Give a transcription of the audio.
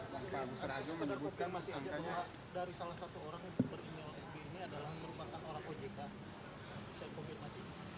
bukan sepeda pekerjaan masih aja bahwa dari salah satu orang yang berimel sbi ini adalah yang merupakan orang ojk